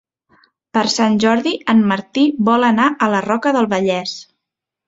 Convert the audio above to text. Per Sant Jordi en Martí vol anar a la Roca del Vallès.